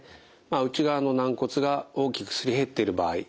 内側の軟骨が大きくすり減っている場合。